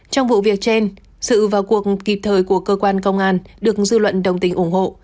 trong vụ việc trên sự vào cuộc kịp thời của cơ quan công an được dư luận đồng tình ủng hộ